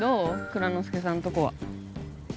蔵之介さんとこは。